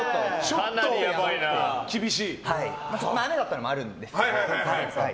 雨だったっていうのもあるんですけど。